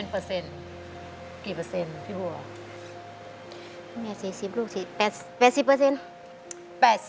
๔๐ลูก๘๐เปอร์เซ็นต์